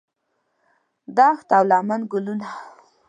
دښت او لمن ګلونه